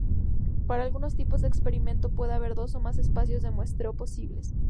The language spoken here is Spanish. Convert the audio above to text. Para algunos tipos de experimento puede haber dos o más espacios de muestreo posibles.